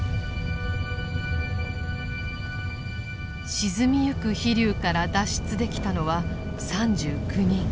沈みゆく飛龍から脱出できたのは３９人。